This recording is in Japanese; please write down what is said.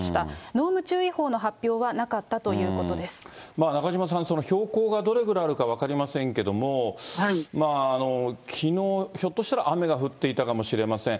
濃霧注意報の発表はなかったとい中島さん、標高がどれぐらいあるか分かりませんけれども、きのう、ひょっとしたら雨が降っていたかもしれません。